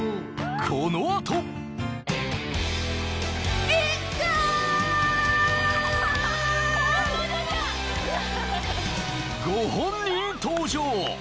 このあとご本人登場